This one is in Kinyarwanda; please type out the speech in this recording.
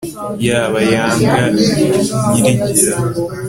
yaba yanga nyirigira